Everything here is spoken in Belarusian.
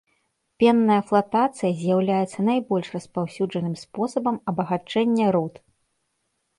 Пенная флатацыя з'яўляецца найбольш распаўсюджаным спосабам абагачэння руд.